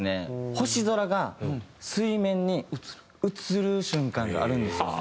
星空が水面に映る瞬間があるんですよね。